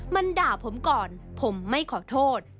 มันด่าผมก่อนผมไม่ขอโทษ